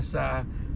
saya bekerja buat